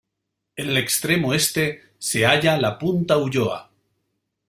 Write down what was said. En el extremo este se halla la punta Ulloa.